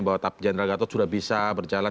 bahwa general gatot sudah bisa berjalan